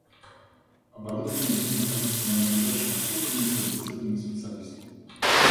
Оборудование будет находиться на надлежащем обслуживании квалифицированными специалистами